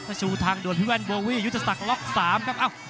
กระชูทางด่วนพี่แวนโบวี่ยุทธศักดิ์ล็อคสามครับอ้าว